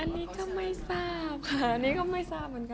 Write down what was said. อันนี้ก็ไม่ทราบค่ะอันนี้ก็ไม่ทราบเหมือนกัน